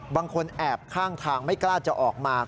บางคนแอบข้างทางไม่กล้าจะออกมา